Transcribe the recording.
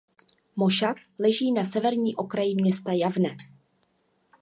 Mošav leží na severním okraji města Javne.